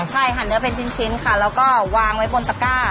ใช่หั่นเนื้อเป็นชิ้นค่ะแล้วก็วางไว้บนตะก้า